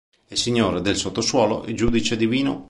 È signore del sottosuolo e giudice divino.